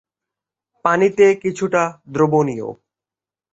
পানিতে কিছুটা দ্রবণীয়।